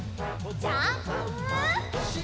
ジャンプ！